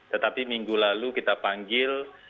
tetapi minggu lalu kita panggil